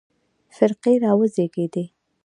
فرقې راوزېږېدې.